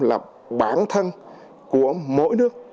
là bản thân của mỗi nước